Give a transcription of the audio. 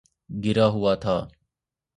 گرا ہوا تھا